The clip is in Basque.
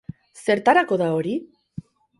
Zertarako da hori?